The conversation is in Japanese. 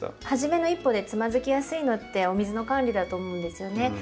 初めの一歩でつまずきやすいのってお水の管理だと思うんですよね。